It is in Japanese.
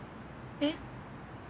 えっ？